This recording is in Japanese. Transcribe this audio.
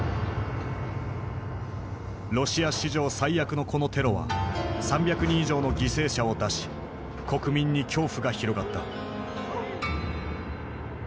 ロシア史上最悪のこのテロは３００人以上の犠牲者を出し国民に恐怖が広がった。